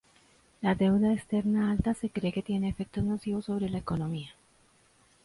La deuda externa alta se cree que tiene efectos nocivos sobre la economía.